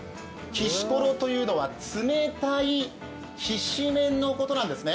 きしころというのは冷たいきしめんのことなんですね。